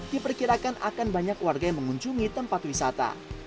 diperkirakan akan banyak warga yang mengunjungi tempat wisata